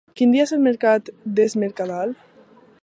Quin dia és el mercat d'Es Mercadal?